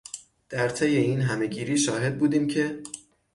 در طی این همهگیری شاهد بودیم که